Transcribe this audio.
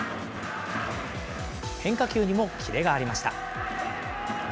変化球にもキレがありました。